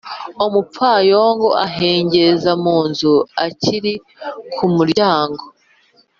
Umupfayongo ahengeza mu nzu akiri ku muryango,